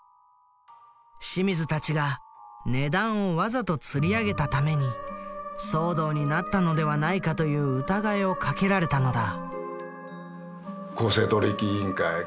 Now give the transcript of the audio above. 清水たちが値段をわざとつり上げたために騒動になったのではないかという疑いをかけられたのだ。